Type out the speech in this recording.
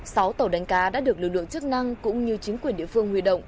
sáu tàu đánh cá đã được lực lượng chức năng cũng như chính quyền địa phương huy động